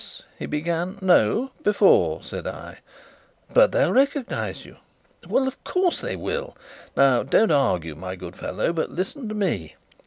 he began. "No. Before," said I. "But they'll recognize you?" "Well, of course they will. Now, don't argue, my good fellow, but listen to me.